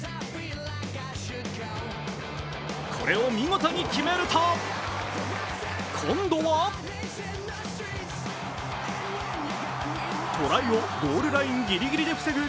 これを見事に決めると今度はトライをゴールラインぎりぎりです防ぐ